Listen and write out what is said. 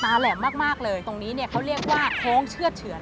แหลมมากเลยตรงนี้เนี่ยเขาเรียกว่าโค้งเชือดเฉือน